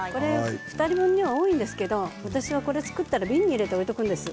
２人分で多いんですけど私は瓶に入れて置いておくんです。